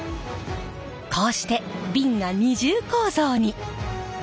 こうして瓶が二重構造に！